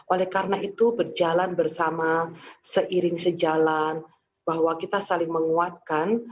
oleh karena itu berjalan bersama seiring sejalan bahwa kita saling menguatkan